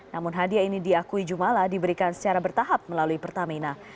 namun hadiah ini diakui jumala diberikan secara bertahap melalui pertamina